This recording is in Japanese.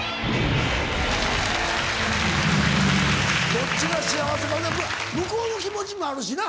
どっちが幸せ向こうの気持ちもあるしな。